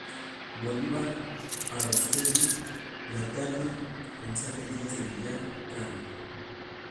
Bolívar Aróstegui, Natalia; González Díaz de Villar, Carmen.